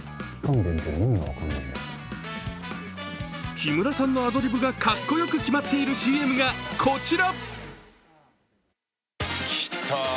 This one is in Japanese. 木村さんのアドリブがかっこよく決まっているＣＭが、こちら。